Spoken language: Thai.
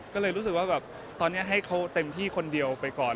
ก็เลยรู้สึกว่าแบบตอนนี้ให้เขาเต็มที่คนเดียวไปก่อน